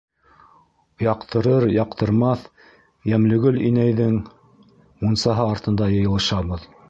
Яҡтырыр-яҡтырмаҫ Йәмлегөл инәйҙең мунсаһы артында йыйылышабыҙ.